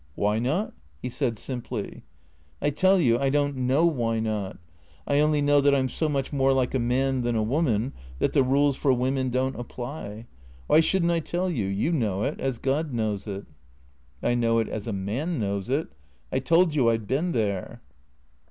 " Why not ?" he said simply. " I tell you, I don't know why not. I only know that I 'm so much more like a man than a woman that the rules for women don't apply. Why shouldn't I tell you? You know it — as God knows it." " I know it as a man knows it. I told you I 'd been there."